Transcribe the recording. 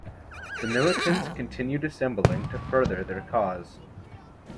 The militants continued assembling to further their cause.